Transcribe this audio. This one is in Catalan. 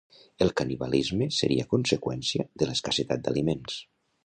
El canibalisme seria conseqüència de l'escassedat d'aliments.